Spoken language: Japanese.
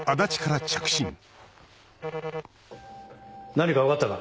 何か分かったか？